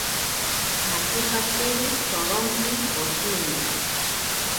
Nakipatziri tsorompi poshini.